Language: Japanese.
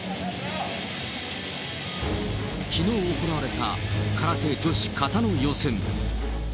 きのう行われた、空手女子形の予選。